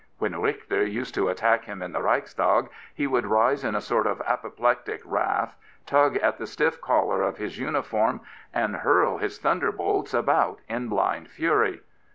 When Richter used to attack him in the Reichstag he would rise in a sort of apoplectic wrath, tug at the stiff collar of his uniform and hurl his thunderbolts about in blind fury.